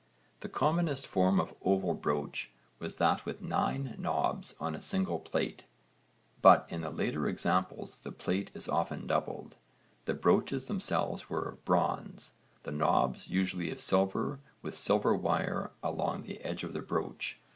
The commonest form of oval brooch was that with nine knobs on a single plate, but in the later examples the plate is often doubled. The brooches themselves were of bronze, the knobs usually of silver with silver wire along the edge of the brooch.